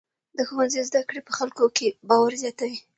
د ښوونځي زده کړې په خلکو کې باور زیاتوي.